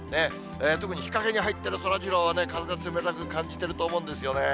特に日陰に入っているそらジローは風が冷たく感じてると思うんですよね。